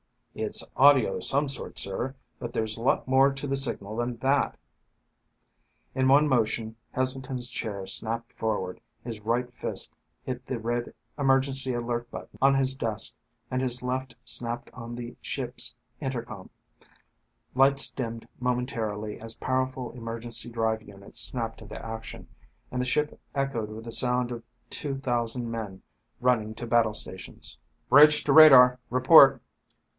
"It's audio of some sort, sir, but there's lots more to the signal than that." In one motion Heselton's chair snapped forward, his right fist hit the red emergency alert button on his desk, and his left snapped on the ship's intercom. Lights dimmed momentarily as powerful emergency drive units snapped into action, and the ship echoed with the sound of two thousand men running to battle stations. "Bridge to radar! Report."